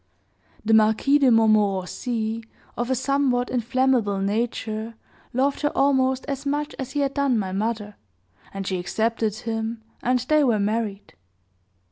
The Marquis de Montmorenci, of a somewhat inflammable nature, loved her almost as much as he had done my mother, and she accepted him, and they were married.